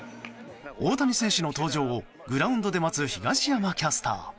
大谷選手の登場をグラウンドで待つ東山キャスター。